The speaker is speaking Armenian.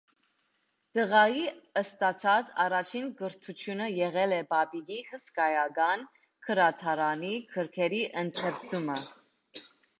Տղայի ստացած առաջին կրթությունը եղել է պապիկի հսկայական գրադարանի գրքերի ընթերցումը։